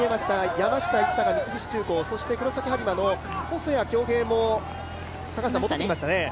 山下一貴、三菱重工そして黒崎播磨の細谷恭平も戻ってきましたね。